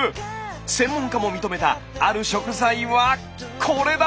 専門家も認めたある食材はこれだ！